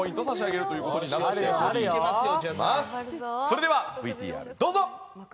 それではＶＴＲどうぞ！